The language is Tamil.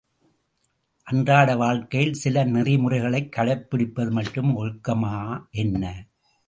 அன்றாட வாழ்க்கையில் சில நெறிமுறைகளைக் கடைப்பிடிப்பது மட்டும் ஒழுக்கமா என்ன?